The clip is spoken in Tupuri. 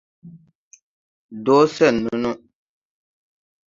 Do sen ne no :